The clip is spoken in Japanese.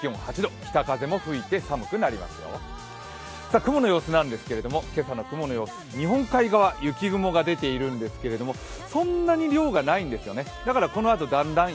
雲の様子なんですけれども、日本海側は雪雲が出ているんですけれども、そんなに量がないんですね。